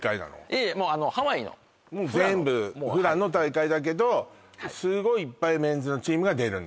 いえハワイのフラの全部フラの大会だけどすごいいっぱいメンズのチームが出るんだ